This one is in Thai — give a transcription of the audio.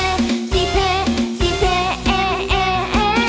สิเผ่สิเผ่เอเอเอ